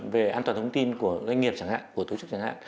về an toàn thông tin của doanh nghiệp chẳng hạn của tổ chức chẳng hạn